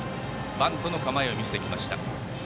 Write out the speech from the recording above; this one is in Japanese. バントの構えを見せてきました。